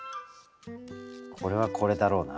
これはこれだろうな。